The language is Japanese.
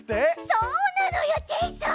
そうなのよジェイソン！